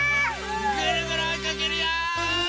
ぐるぐるおいかけるよ！